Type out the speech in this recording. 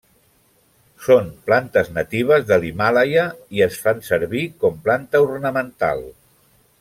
Són plantes natives de l'Himàlaia i es fan servir com planta ornamental.